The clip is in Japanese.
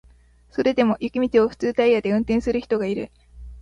それでも雪道を普通タイヤで運転する人がいる